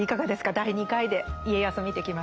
第２回で家康を見てきましたけど。